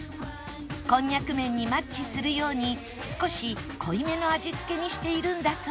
こんにゃく麺にマッチするように少し濃いめの味付けにしているんだそう